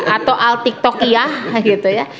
atau al tik tokiah gitu ya